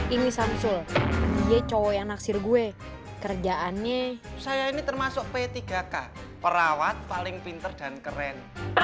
ini samsul ye cowo yang naksir gue kerjaannya saya ini termasuk p tiga k perawat paling pinter dan keren